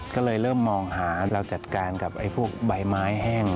ก็เลยเริ่มมองหาเราจัดการกับพวกใบไม้แห้ง